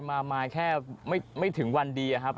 มาแค่ไม่ถึงวันดีอะครับ